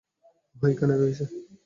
ওহ, এখানে রয়েছে।